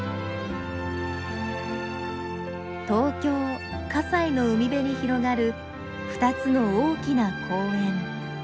東京西の海辺に広がる２つの大きな公園。